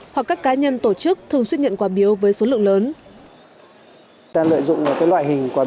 hoặc các cá nhân tổ chức thường suy nhận quả biếu với số lượng lớn